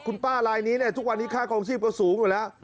คุณป้าลายนี้เนี่ยทุกวันนี้ค่าคลองชีพก็สูงอยู่แล้ว